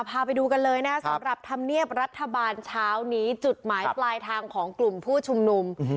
พาไปดูกันเลยนะสำหรับธรรมเนียบรัฐบาลเช้านี้จุดหมายปลายทางของกลุ่มผู้ชุมนุม